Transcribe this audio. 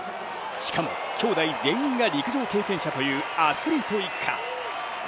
しかも、兄弟全員が陸上経験者というアスリート一家。